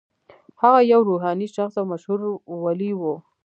هغه یو روحاني شخص او مشهور ولي و.